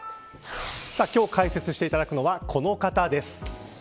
今日解説をいただくのはこの方です。